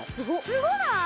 すごない？